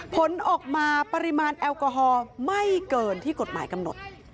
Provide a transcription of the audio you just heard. ผลออกมาปริมาณแอลกอฮอล์ไม่เกินที่กฎหมายกำหนด